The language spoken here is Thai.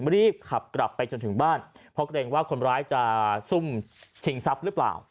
รีบขับกลับไปจนถึงบ้านเพราะเกรงว่าคนร้ายจะซุ่มชิงทรัพย์หรือเปล่า